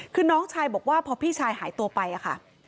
คือน้องชายบอกว่าพอพี่ชายหายตัวไปค่ะ